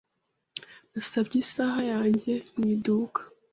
Nasabye isaha yanjye mu iduka.